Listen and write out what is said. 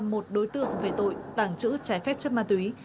một đối tượng về tội tàng trữ trái phép chất ma túy